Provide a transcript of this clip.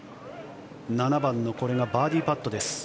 ７番のこれがバーディーパット。